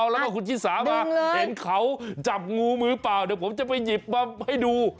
แล้วก็คุณชิสามาเห็นเขาจับงูมือเปล่าเดี๋ยวผมจะไปหยิบมาให้ดู